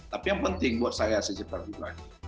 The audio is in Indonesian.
tapi yang penting buat saya secepat itu lagi